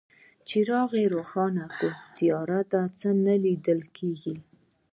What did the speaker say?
څراغ روښانه کړه، تياره ده، څه نه ليدل کيږي.